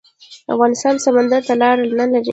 افغانستان سمندر ته لاره نلري